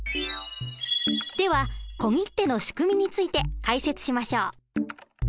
では小切手の仕組みについて解説しましょう。